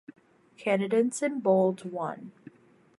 Candidates in bold won.